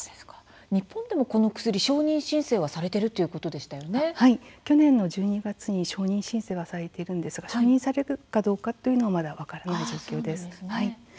日本でもこの薬承認申請がされている去年の１２月に申請されたんですが承認されるかどうかはまだ分からない状況です。